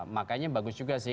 makanya bagus juga sih